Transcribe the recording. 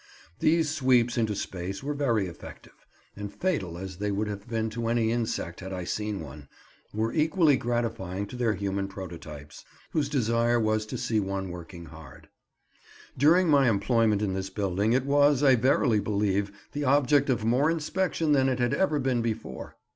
These sweeps into space were very effective, and, fatal as they would have been to any insect had I seen one, were equally gratifying to their human prototypes, whose desire was to see one working hard. During my employment in this building it was, I verily believe, the object of more inspection than it had ever been before.